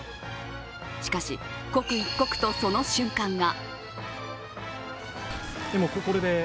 しかし、刻一刻とその瞬間が。